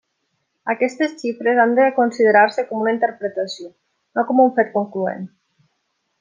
Aquestes xifres han de considerar-se com una interpretació, no com un fet concloent.